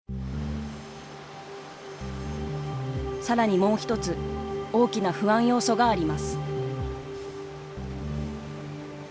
更にもう一つ大きな不安要素があります。